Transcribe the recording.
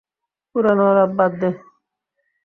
পুরানো আলাপ বাদ দে।